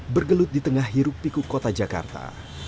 bergelut di tengah hirup pikuk kota jakarta